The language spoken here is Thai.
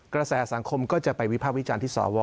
กระแสสังคมก็จะไปวิภาควิจารณ์ที่สว